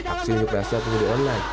aksi menyukrasi penghundi online